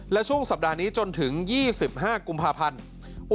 และช่วงสัปดาห์นี้จนถึง๒๕กุมภาพันธ์